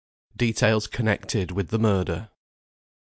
DETAILS CONNECTED WITH THE MURDER.